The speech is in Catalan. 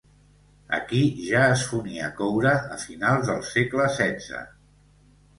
Aquí ja es fonia coure a finals del segle XVI.